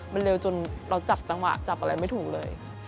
มันเร็วจนเราจับจังหวะจับอะไรไม่ถูกเลย